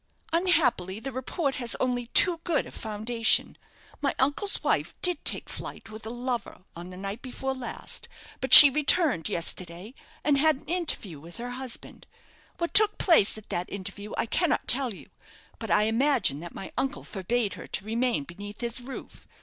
"Unhappily, the report has only too good a foundation. My uncle's wife did take flight with a lover on the night before last; but she returned yesterday, and had an interview with her husband. What took place at that interview I cannot tell you; but I imagine that my uncle forbade her to remain beneath his roof.